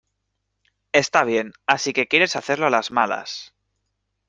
Está bien. Así que quieres hacerlo a las malas ...